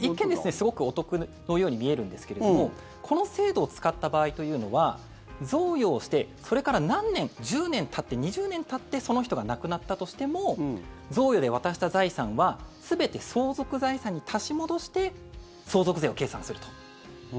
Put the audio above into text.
一見、すごくお得なように見えるんですけどもこの制度を使った場合というのは贈与をしてそれから何年１０年たって、２０年たってその人が亡くなったとしても贈与で渡した財産は全て相続財産に足し戻して相続税を計算すると。